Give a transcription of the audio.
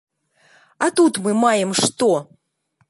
А тут мы маем што?